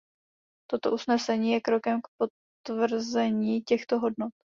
Toto usnesení je krokem k potvrzení těchto hodnot.